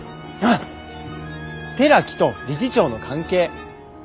寺木と理事長の関係。